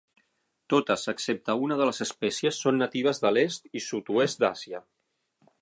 Totes excepte una de les espècies són natives de l'est i sud-oest d'Àsia.